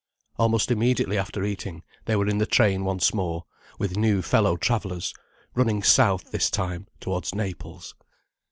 Almost immediately after eating, they were in the train once more, with new fellow travellers, running south this time towards Naples.